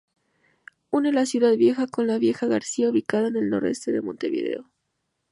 Une la Ciudad Vieja con la Villa García, ubicada al noreste de Montevideo.